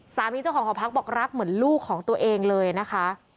เจ้าของหอพักบอกรักเหมือนลูกของตัวเองเลยนะคะ